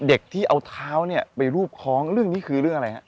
เด็กที่เอาเท้าเนี่ยไปรูปคล้องเรื่องนี้คือเรื่องอะไรฮะ